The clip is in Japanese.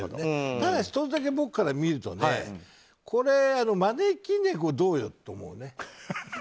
ただ、１つだけ僕から見るとこれ、招き猫どうよ？って思うね。